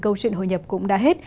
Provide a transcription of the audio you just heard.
câu chuyện hội nhập cũng đã hết